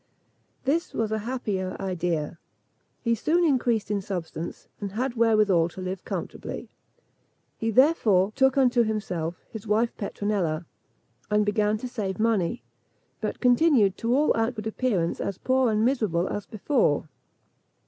This was a happier idea; he soon increased in substance, and had wherewithal to live comfortably. He therefore took unto himself his wife Petronella, and began to save money; but continued to all outward appearance as poor and miserable as before.